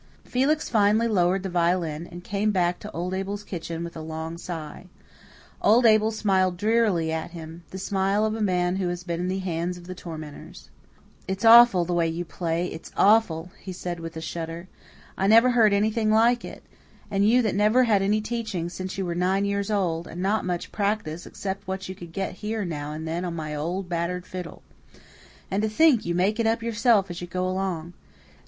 Felix finally lowered the violin, and came back to old Abel's kitchen with a long sigh. Old Abel smiled drearily at him the smile of a man who has been in the hands of the tormentors. "It's awful the way you play it's awful," he said with a shudder. "I never heard anything like it and you that never had any teaching since you were nine years old, and not much practice, except what you could get here now and then on my old, battered fiddle. And to think you make it up yourself as you go along!